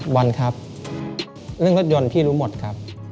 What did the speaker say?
บอลครับเรื่องรถยนต์พี่รู้หมดครับ